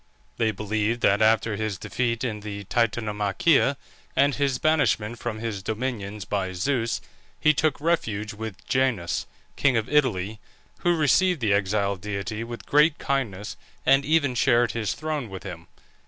They believed that after his defeat in the Titanomachia and his banishment from his dominions by Zeus, he took refuge with Janus, king of Italy, who received the exiled deity with great kindness, and even shared his throne with him.